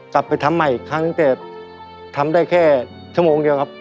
กลับไปทำใหม่อีกครั้งแต่ทำได้แค่ชั่วโมงเดียวครับ